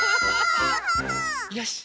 よし！